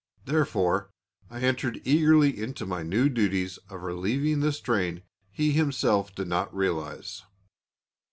Therefore, I entered eagerly into my new duties of relieving the strain he himself did not realise.